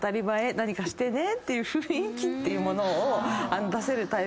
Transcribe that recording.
何かしてねっていう雰囲気を出せるタイプ。